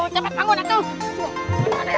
cepat bangun atuh